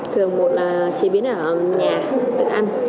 thường một là chế biến ở nhà thức ăn